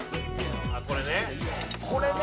これね。